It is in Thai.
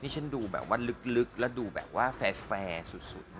ฉันดูแบบว่าลึกและแฟร์สุด